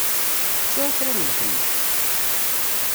Sεu kra n lḥenna!